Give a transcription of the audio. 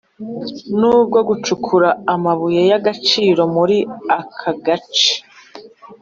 N ubwo gucukura amabuye y agaciro muri aka gace